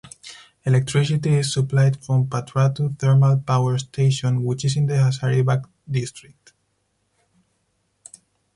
Electricity is supplied from Patratu Thermal Power Station which is in the Hazaribagh district.